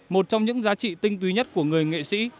một trong những giá trị tinh túy nhất của người nghệ sĩ